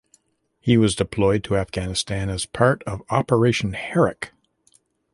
He was deployed to Afghanistan as part of Operation Herrick.